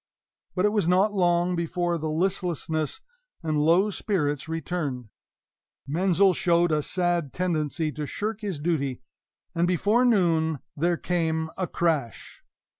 But it was not long before the listlessness and low spirits returned; Menzel showed a sad tendency to shirk his duty; and before noon there came a crash.